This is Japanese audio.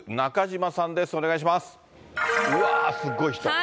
うわー、すごい人。